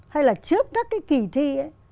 hay là trước các cái kỳ thi